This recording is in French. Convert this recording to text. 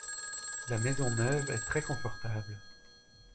La maison neuve est très confortable.